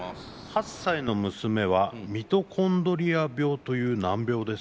「８歳の娘はミトコンドリア病という難病です」。